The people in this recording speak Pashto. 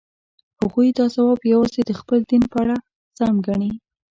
هغوی دا ځواب یوازې د خپل دین په اړه سم ګڼي.